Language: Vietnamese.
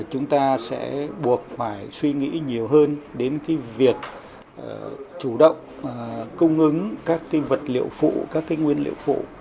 chúng ta sẽ buộc phải suy nghĩ nhiều hơn đến cái việc chủ động cung ứng các cái vật liệu phụ các cái nguyên liệu phụ